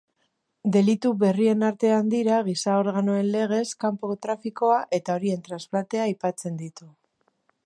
Delitu berrien artean dira giza-organoen legez kanpoko trafikoa eta horien transplantea aipatzen ditu.